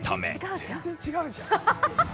全然違うじゃん。